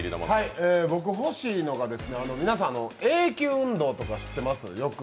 僕欲しいのが、皆さん、永久運動とか知ってます？